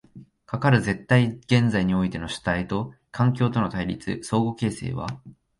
かかる絶対現在においての主体と環境との対立、相互形成は